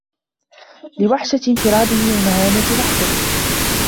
لِوَحْشَةِ انْفِرَادِهِ وَمَهَانَةِ وَحْدَتِهِ